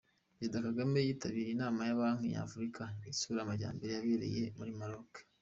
Perezida Kagame yitabiriye inama ya Banki nyafurika itsura amajyambere yabereye muri Maroke.